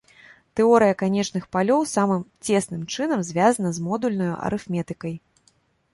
Тэорыя канечных палёў самым цесным чынам звязана з модульнаю арыфметыкай.